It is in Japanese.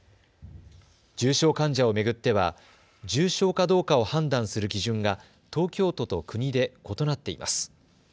重症患者を巡っては重症かどうかを判断する基準が東京都と国で異なっています。